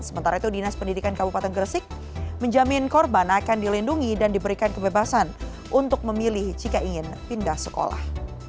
sementara itu dinas pendidikan kabupaten gresik menjamin korban akan dilindungi dan diberikan kebebasan untuk memilih jika ingin pindah sekolah